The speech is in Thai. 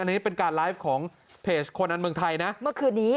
อันนี้เป็นการไลฟ์ของเพจคนอันเมืองไทยนะเมื่อคืนนี้